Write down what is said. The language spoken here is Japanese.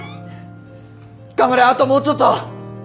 頑張れあともうちょっと！